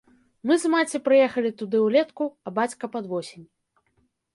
Мы з маці прыехалі туды ўлетку, а бацька пад восень.